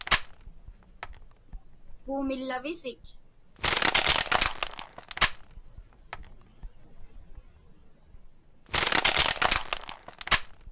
Puumillavisik?